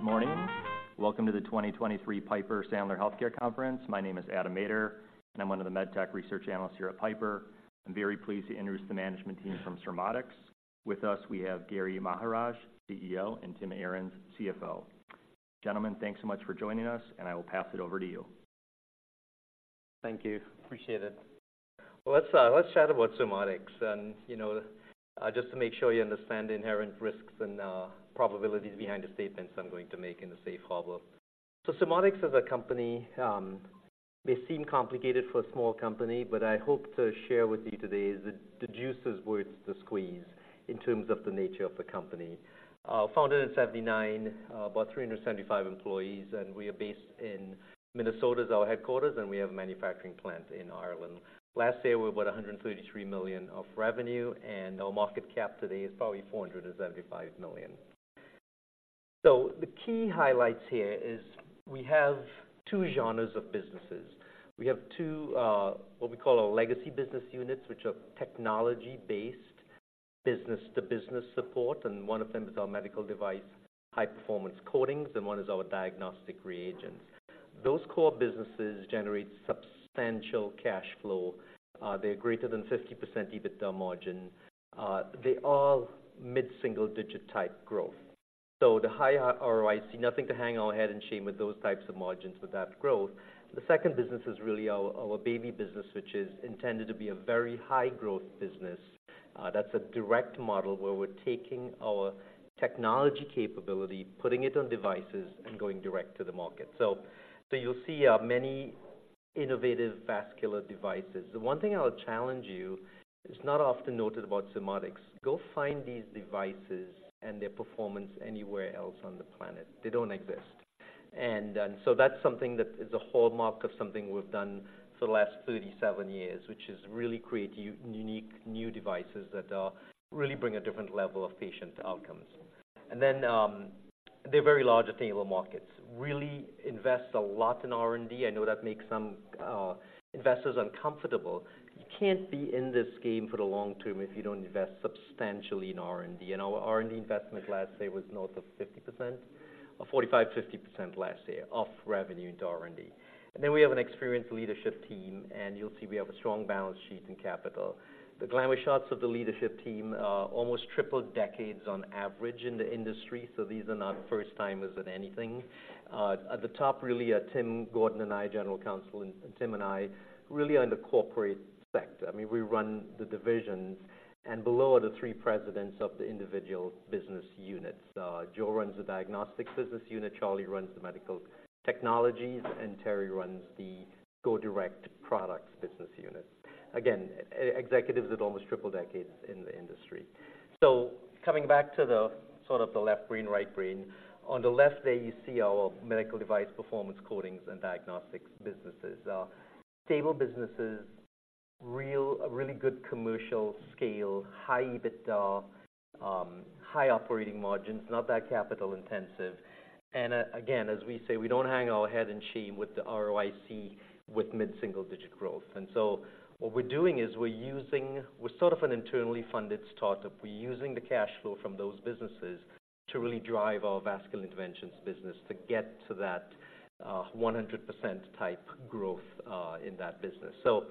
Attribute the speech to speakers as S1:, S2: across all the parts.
S1: Good morning. Welcome to the 2023 Piper Sandler Healthcare Conference. My name is Adam Maeder, and I'm one of the med tech research analysts here at Piper. I'm very pleased to introduce the management team from Surmodics. With us, we have Gary Maharaj, CEO, and Tim Arens, CFO. Gentlemen, thanks so much for joining us, and I will pass it over to you.
S2: Thank you. Appreciate it. Well, let's chat about Surmodics and, you know, just to make sure you understand the inherent risks and probabilities behind the statements I'm going to make in the safe harbor. So Surmodics as a company may seem complicated for a small company, but I hope to share with you today the juices worth the squeeze in terms of the nature of the company. Founded in 1979, about 375 employees, and we are based in Minnesota, is our headquarters, and we have a manufacturing plant in Ireland. Last year, we were about $133 million of revenue, and our market cap today is probably $475 million. So the key highlights here is we have two genres of businesses. We have two, what we call our legacy business units, which are technology-based business-to-business support, and one of them is our medical device, high-performance coatings, and one is our diagnostic reagents. Those core businesses generate substantial cash flow. They're greater than 50% EBITDA margin. They're all mid-single-digit type growth. So the high ROIC, nothing to hang our head in shame with those types of margins with that growth. The second business is really our baby business, which is intended to be a very high-growth business. That's a direct model where we're taking our technology capability, putting it on devices, and going direct to the market. So you'll see, many innovative vascular devices. The one thing I'll challenge you, it's not often noted about Surmodics. Go find these devices and their performance anywhere else on the planet. They don't exist. That's something that is a hallmark of something we've done for the last 37 years, which is really create unique new devices that really bring a different level of patient outcomes. They're very large attainable markets. Really invest a lot in R&D. I know that makes some investors uncomfortable. You can't be in this game for the long term if you don't invest substantially in R&D. And our R&D investment last year was north of 50%, or 45%-50% last year of revenue into R&D. We have an experienced leadership team, and you'll see we have a strong balance sheet and capital. The glamour shots of the leadership team, almost triple decades on average in the industry, so these are not first-timers at anything. At the top, really, Gordon, General Counsel, and Tim and I really are in the corporate sector. I mean, we run the divisions, and below are the three presidents of the individual business units. Joe runs the diagnostics business unit, Charlie runs the medical technologies, and Terry runs the Go Direct products business units. Again, executives with almost triple decades in the industry. So coming back to the sort of the left brain, right brain, on the left there you see our medical device performance coatings and diagnostics businesses. Stable businesses, really good commercial scale, high EBITDA, high operating margins, not that capital intensive. And again, as we say, we don't hang our head in shame with the ROIC, with mid-single-digit growth. And so what we're doing is we're using, we're sort of an internally funded startup. We're using the cash flow from those businesses to really drive our vascular interventions business to get to that 100% type growth in that business. So,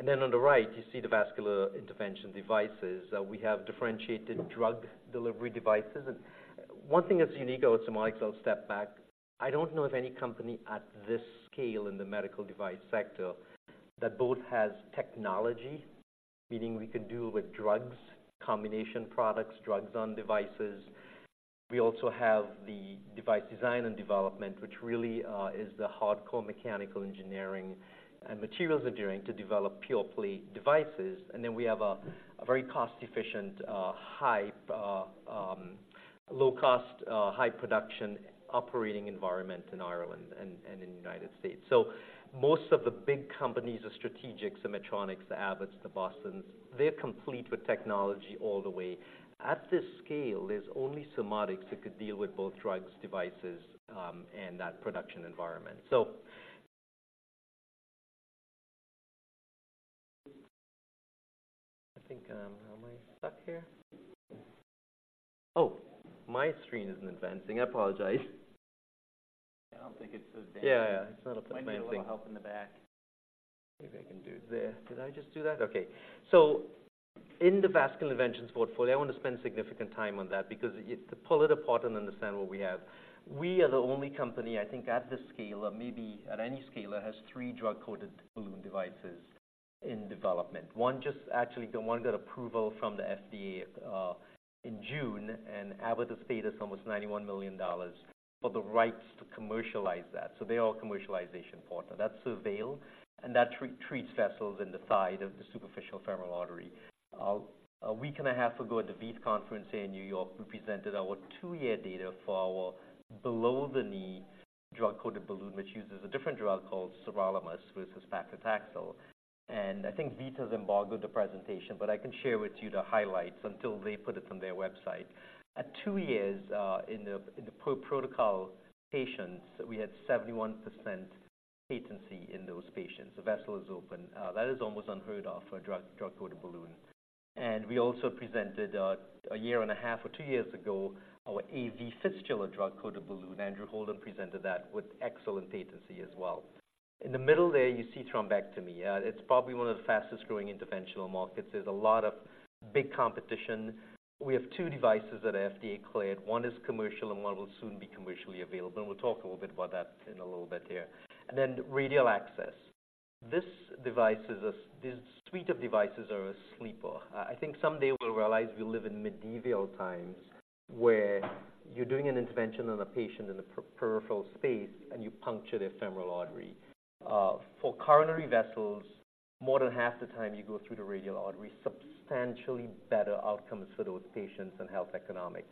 S2: and then on the right, you see the vascular intervention devices. We have differentiated drug delivery devices. And one thing that's unique about Surmodics, I'll step back, I don't know of any company at this scale in the medical device sector that both has technology, meaning we could do with drugs, combination products, drugs on devices. We also have the device design and development, which really, is the hardcore mechanical engineering and materials engineering to develop pure play devices. And then we have a very cost-efficient, high, low cost, high production operating environment in Ireland and in the United States. So most of the big companies, the strategics, the Medtronics, the Abbotts, the Bostons, they're complete with technology all the way. At this scale, there's only Surmodics that could deal with both drugs, devices, and that production environment. Am I stuck here? Oh, my screen isn't advancing. I apologize.
S1: I don't think it's advancing.
S2: Yeah.
S1: Might need a little help in the back.
S2: Maybe I can do this. Did I just do that? Okay. So in the vascular interventions portfolio, I want to spend significant time on that because to pull it apart and understand what we have. We are the only company, I think, at this scale, or maybe at any scale, that has three drug-coated balloon devices in development. One just actually, the one got approval from the FDA in June, and Abbott has paid us almost $91 million for the rights to commercialize that. So they're our commercialization partner. That's SurVeil, and that treats vessels in the side of the superficial femoral artery. A week and a half ago, at the VEITH Conference here in New York, we presented our two-year data for our below-the-knee drug-coated balloon, which uses a different drug called sirolimus versus paclitaxel. I think VEITH has embargoed the presentation, but I can share with you the highlights until they put it on their website. At two years, in the protocol patients, we had 71% patency in those patients. The vessel is open. That is almost unheard of for a drug-coated balloon. And we also presented a year and a half or two years ago, our AV fistula drug-coated balloon. Andrew Holden presented that with excellent patency as well. In the middle there, you see thrombectomy. It's probably one of the fastest growing interventional markets. There's a lot of big competition. We have two devices that are FDA cleared. One is commercial, and one will soon be commercially available, and we'll talk a little bit about that in a little bit here. And then radial access. This suite of devices are super. I think someday we'll realize we live in medieval times, where you're doing an intervention on a patient in a peripheral space, and you puncture their femoral artery. For coronary vessels, more than half the time you go through the radial artery, substantially better outcomes for those patients and health economics.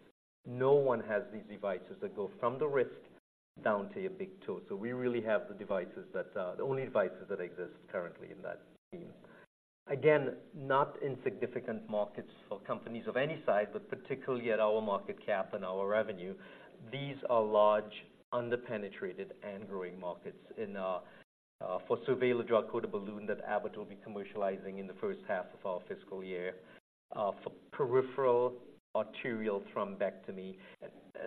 S2: No one has these devices that go from the wrist down to your big toe. So we really have the devices that, the only devices that exist currently in that scheme. Again, not insignificant markets for companies of any size, but particularly at our market cap and our revenue, these are large, underpenetrated and growing markets. In, for SurVeil Drug-Coated Balloon that Abbott will be commercializing in the first half of our fiscal year for peripheral arterial thrombectomy.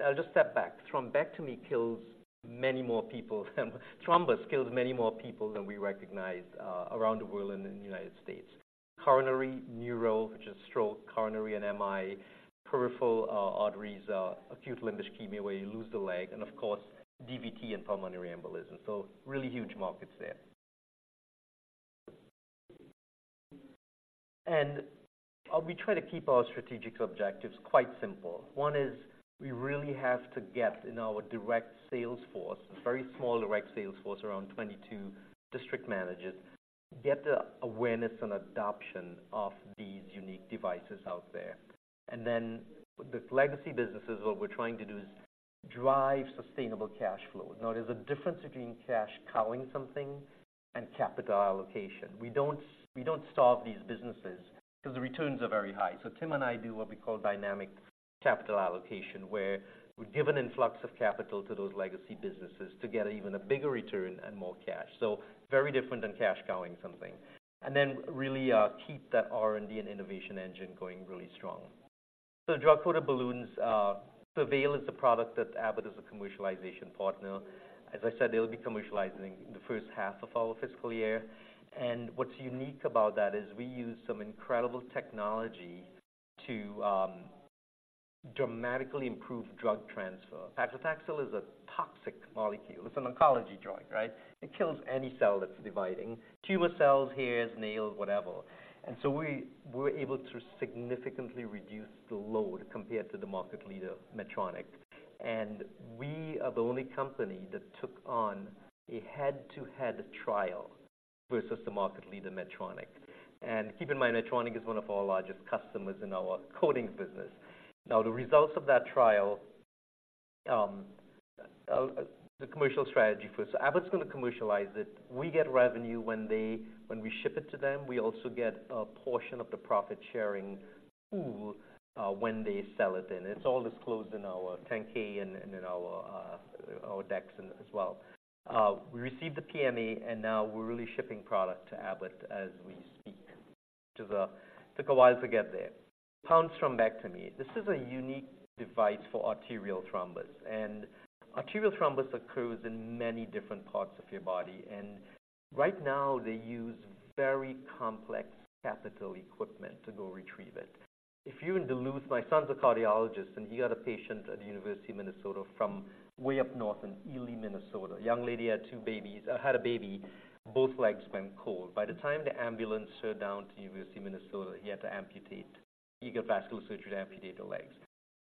S2: I'll just step back. Thrombus kills many more people than we recognize around the world and in the United States. Coronary, neuro, which is stroke, coronary and MI, peripheral arteries, are acute limb ischemia, where you lose the leg, and of course, DVT and pulmonary embolism. So really huge markets there. We try to keep our strategic objectives quite simple. One is we really have to get in our direct sales force, a very small direct sales force, around 22 district managers, get the awareness and adoption of these unique devices out there. And then the legacy businesses, what we're trying to do is drive sustainable cash flow. Now, there's a difference between cash cowing something and capital allocation. We don't starve these businesses because the returns are very high. So Tim and I do what we call dynamic capital allocation, where we give an influx of capital to those legacy businesses to get even a bigger return and more cash. So very different than cash cowing something. And then really, keep that R&D and innovation engine going really strong. So drug-coated balloons, SurVeil is a product that Abbott is a commercialization partner. As I said, they'll be commercializing in the first half of our fiscal year. And what's unique about that is we use some incredible technology to dramatically improve drug transfer. Paclitaxel is a toxic molecule. It's an oncology drug, right? It kills any cell that's dividing, tumor cells, hairs, nails, whatever. And so we're able to significantly reduce the load compared to the market leader, Medtronic. And we are the only company that took on a head-to-head trial versus the market leader, Medtronic. Keep in mind, Medtronic is one of our largest customers in our coating business. Now, the results of that trial, the commercial strategy first. Abbott's going to commercialize it. We get revenue when we ship it to them. We also get a portion of the profit-sharing pool when they sell it, and it's all disclosed in our 10-K and in our decks as well. We received the PMA, and now we're really shipping product to Abbott as we speak, which took a while to get there. Pounce Thrombectomy. This is a unique device for arterial thrombus, and arterial thrombus occurs in many different parts of your body, and right now, they use very complex capital equipment to go retrieve it. If you're in Duluth, my son's a cardiologist, and he got a patient at the University of Minnesota from way up north in Ely, Minnesota. A young lady had two babies, had a baby, both legs went cold. By the time the ambulance showed down to University of Minnesota, he had to amputate. He got vascular surgery to amputate the legs.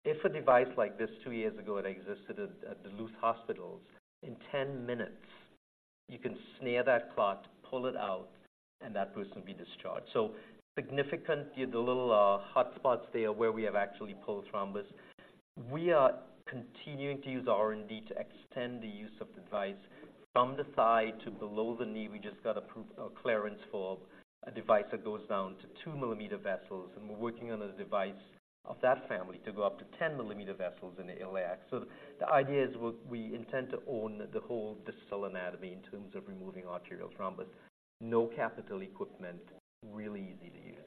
S2: If a device like this, two years ago, had existed at, at Duluth hospitals, in 10 minutes, you can snare that clot, pull it out, and that person will be discharged. So significantly, the little hotspots there where we have actually pulled thrombus. We are continuing to use R&D to extend the use of the device from the thigh to below the knee. We just got approved a clearance for a device that goes down to 2 mm vessels, and we're working on a device of that family to go up to 10 mm vessels in the iliac. So the idea is we intend to own the whole distal anatomy in terms of removing arterial thrombus. No capital equipment, really easy to use.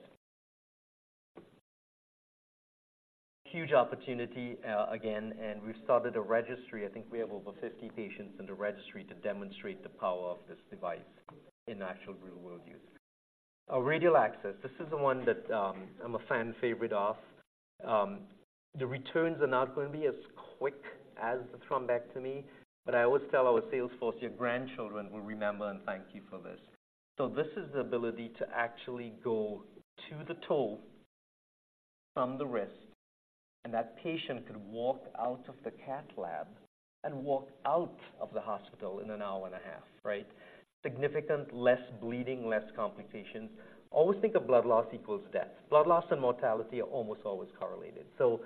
S2: Huge opportunity, again, and we've started a registry. I think we have over 50 patients in the registry to demonstrate the power of this device in actual real-world use. Our radial access. This is the one that I'm a fan favorite of. The returns are not going to be as quick as the thrombectomy, but I always tell our sales force, your grandchildren will remember and thank you for this. So this is the ability to actually go to the toe from the wrist, and that patient could walk out of the cath lab and walk out of the hospital in an hour and a half, right? Significantly less bleeding, less complications. Always think of blood loss equals death. Blood loss and mortality are almost always correlated. So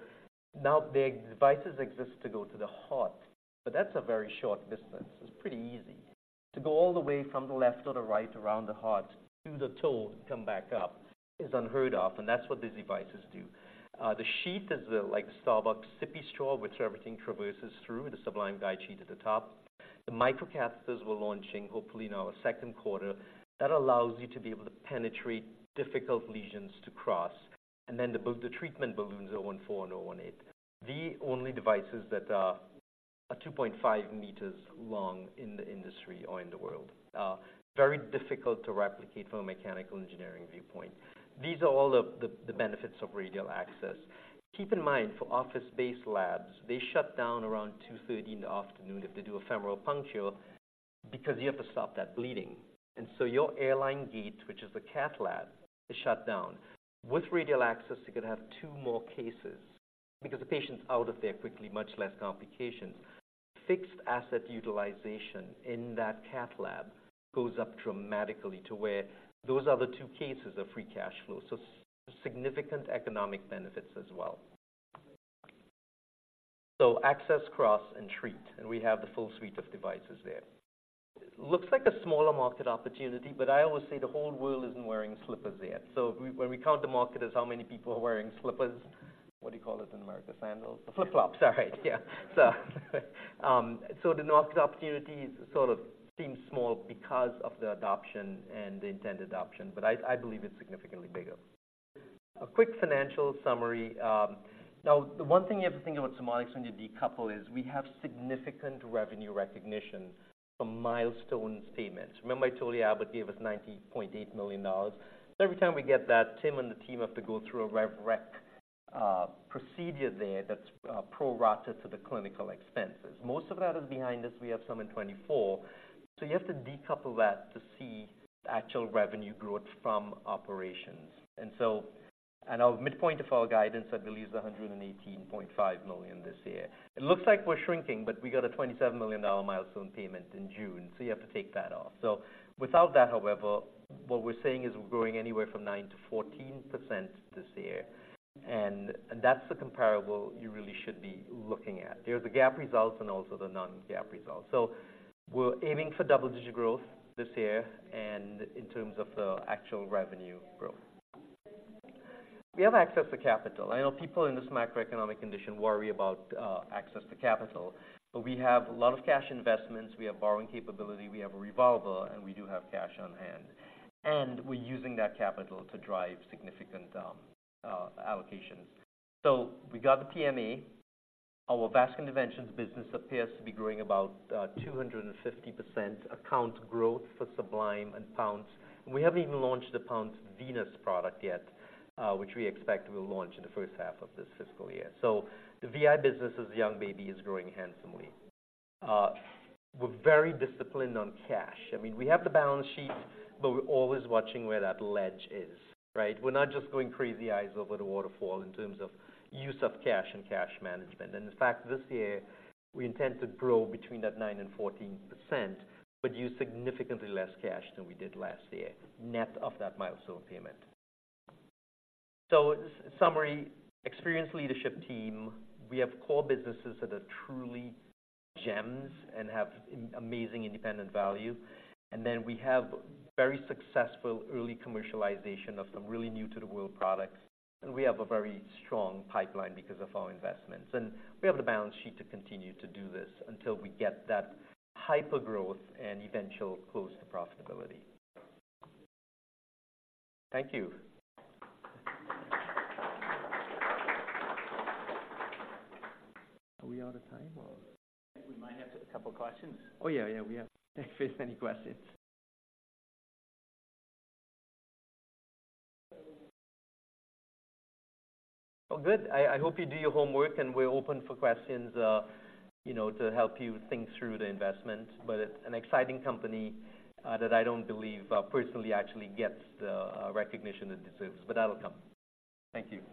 S2: now the devices exist to go to the heart, but that's a very short distance. It's pretty easy. To go all the way from the left or the right, around the heart to the toe, come back up, is unheard of, and that's what these devices do. The sheath is like the Starbucks sippy straw, which everything traverses through, the Sublime Guide Sheath at the top. The microcatheters we're launching, hopefully in our second quarter, that allows you to be able to penetrate difficult lesions to cross. And then the treatment balloons, 0.014 and 0.018. The only devices that are 2.5 m long in the industry or in the world, very difficult to replicate from a mechanical engineering viewpoint. These are all of the benefits of radial access. Keep in mind, for office-based labs, they shut down around 2:30 P.M. if they do a femoral puncture because you have to stop that bleeding. And so your airline gate, which is the cath lab, is shut down. With radial access, you could have two more cases because the patient's out of there quickly, much less complications. Fixed asset utilization in that cath lab goes up dramatically to where those are the two cases of free cash flow. So significant economic benefits as well. So access, cross, and treat, and we have the full suite of devices there. Looks like a smaller market opportunity, but I always say the whole world isn't wearing slippers yet. So when we count the market as how many people are wearing slippers, what do you call it in America? Sandals. Flip-flops! All right. Yeah. So, so the market opportunity sort of seems small because of the adoption and the intended adoption, but I believe it's significantly bigger. A quick financial summary. Now, the one thing you have to think about Surmodics when you decouple is we have significant revenue recognition from milestone payments. Remember I told you Abbott gave us $90.8 million? So every time we get that, Tim and the team have to go through a rev rec procedure there that's prorated to the clinical expenses. Most of that is behind us. We have some in 2024. So you have to decouple that to see actual revenue growth from operations. And so our midpoint of our guidance, I believe, is $118.5 million this year. It looks like we're shrinking, but we got a $27 million milestone payment in June, so you have to take that off. So without that, however, what we're saying is we're growing anywhere from 9%-14% this year, and that's the comparable you really should be looking at. There are the GAAP results and also the non-GAAP results. So we're aiming for double-digit growth this year and in terms of the actual revenue growth. We have access to capital. I know people in this macroeconomic condition worry about access to capital, but we have a lot of cash investments, we have borrowing capability, we have a revolver, and we do have cash on hand. And we're using that capital to drive significant allocations. So we got the PMA. Our Vascular Interventions business appears to be growing about 250% account growth for Sublime and Pounce. We haven't even launched the Pounce Venous product yet, which we expect will launch in the first half of this fiscal year. So the VI business as a young baby is growing handsomely. We're very disciplined on cash. I mean, we have the balance sheet, but we're always watching where that ledge is, right? We're not just going crazy eyes over the waterfall in terms of use of cash and cash management. And in fact, this year, we intend to grow between 9% and 14%, but use significantly less cash than we did last year, net of that milestone payment. So summary, experienced leadership team. We have core businesses that are truly gems and have amazing independent value. And then we have very successful early commercialization of some really new-to-the-world products, and we have a very strong pipeline because of our investments. We have the balance sheet to continue to do this until we get that hypergrowth and eventual close to profitability. Thank you. Are we out of time or?
S1: We might have a couple questions.
S2: Oh, yeah, yeah, we have faced any questions. Oh, good. I hope you do your homework, and we're open for questions, you know, to help you think through the investment. But it's an exciting company that I don't believe personally actually gets the recognition it deserves, but that'll come. Thank you.